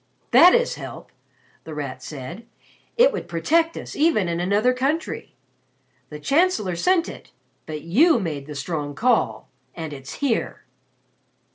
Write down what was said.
"That is help," The Rat said. "It would protect us, even in another country. The Chancellor sent it but you made the strong call and it's here!"